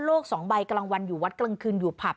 โลกสองใบกำลังวันอยู่วัดกลางคืนอยู่ผับ